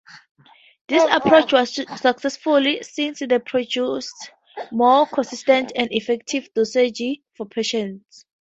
This approach was successful since it produced more consistent and effective dosages for patients.